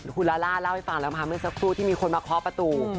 คุณลาล่าเล่าให้ฟังแล้วมาเมื่อสักครู่ที่มีคนมาเคาะประตู